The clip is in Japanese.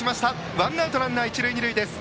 ワンアウトランナー、一塁二塁です。